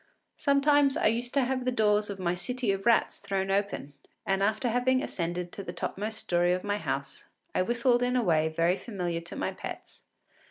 Sometimes I used to have the doors of my City of Rats thrown open, and, after having ascended to the topmost story of my house, I whistled in a way very familiar to my pets.